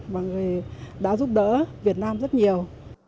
và người đã giúp đỡ việt nam rất nhiều